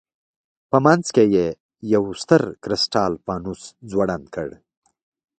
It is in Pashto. په منځ کې یې یو ستر کرسټال فانوس ځوړند کړ.